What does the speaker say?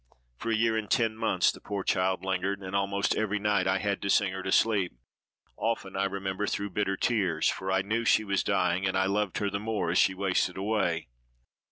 For a year and ten months the poor child lingered, and almost every night I had to sing her asleep—often, I remember, through bitter tears, for I knew she was dying, and I loved her the more as she wasted away.